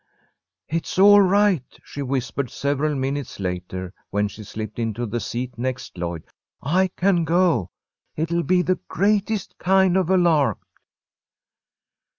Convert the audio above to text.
"It's all right," she whispered several minutes later, when she slipped into the seat next Lloyd. "I can go. It'll be the greatest kind of a lark."